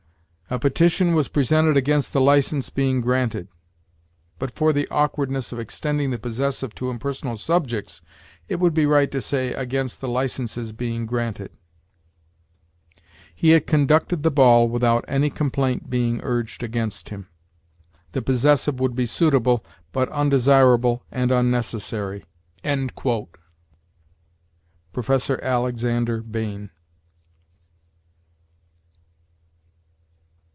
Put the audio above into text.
'A petition was presented against the license being granted.' But for the awkwardness of extending the possessive to impersonal subjects, it would be right to say, 'against the license's being granted.' 'He had conducted the ball without any complaint being urged against him.' The possessive would be suitable, but undesirable and unnecessary." Professor Alexander Bain.